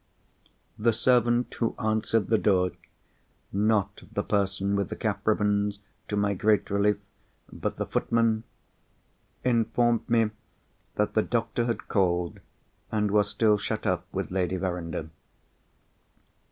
The servant who answered the door—not the person with the cap ribbons, to my great relief, but the foot man—informed me that the doctor had called, and was still shut up with Lady Verinder.